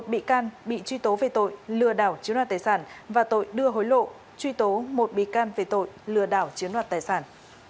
một bị can bị truy tố về tội lừa đảo chiếu nợ tài sản và tội đưa hối lộ truy tố một bị can về tội lừa đảo chiếu nợ tài sản